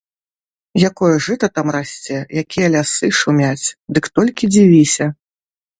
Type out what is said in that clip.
Якое жыта там расце, якія лясы шумяць, дык толькі дзівіся!